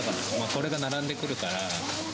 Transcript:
これが並んでくるから。